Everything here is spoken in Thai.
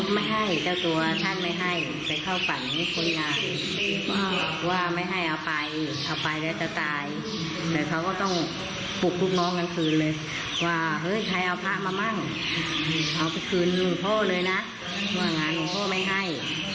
ไม่ให้เช้าเค้าไม่ให้เจ้าตัวท่านไม่ให้